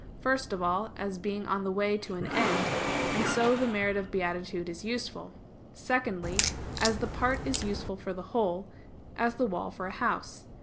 First of all, as being on the way to an end; and so the merit of beatitude is useful. Secondly, as the part is useful for the whole; as the wall for a house.